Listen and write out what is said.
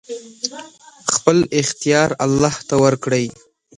خپل اختيار الله ته ورکړئ!